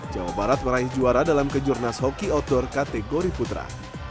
jawa barat meraih juara dalam kejurnas hockey outdoor kategori putra